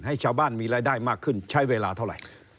ให้ชาวบ้านมีรายได้มากขึ้นใช้เวลาเท่าไหร่